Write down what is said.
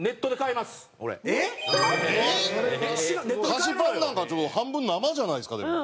菓子パンなんか半分生じゃないですかでも。